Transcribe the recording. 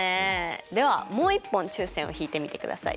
ではもう一本中線を引いてみてください。